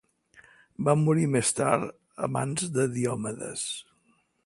Van morir més tard a mans de Diomedes.